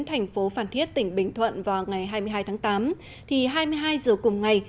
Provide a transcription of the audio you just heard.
thành phố phan thiết tỉnh bình thuận vào ngày hai mươi hai tháng tám thì hai mươi hai giờ cùng ngày